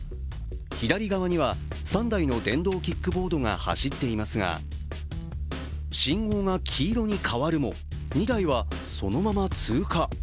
左側には３台の電動キックボードが走っていますが、信号が黄色に変わるも２台はそのまま通過。